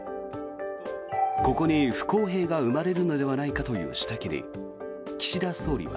ここに不公平が生まれるのではないかという指摘に岸田総理は。